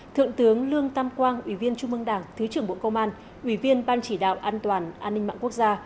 thượng tướng lương tam quang ủy viên trung mương đảng thứ trưởng bộ công an ủy viên ban chỉ đạo an toàn an ninh mạng quốc gia